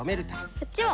こっちも！